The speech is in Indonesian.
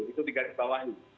itu diganti bawahi